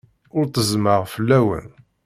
Ur ttezzmeɣ fell-awen.